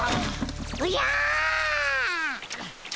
おじゃ！